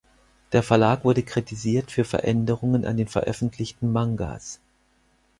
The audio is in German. Der Verlag wurde kritisiert für Veränderungen an den veröffentlichten Mangas.